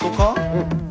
うん。